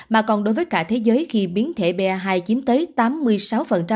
mà còn đối với cả thế giới khi biến thể pa hai chiếm tới tám mươi sáu tổng số ca mắc toàn cầu